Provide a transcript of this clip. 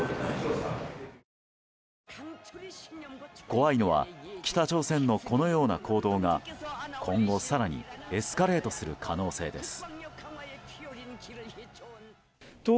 怖いのは北朝鮮の、このような行動が今後更にエスカレートする可能性です。